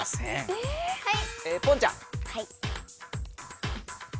えっはい。